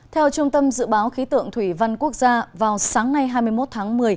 theo trung tâm dự báo khí tượng thủy văn quốc gia vào sáng nay hai mươi một tháng một mươi